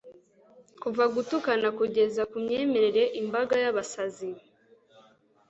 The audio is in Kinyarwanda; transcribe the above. Kuva gutukana kugeza kumyemerere imbaga yabasazi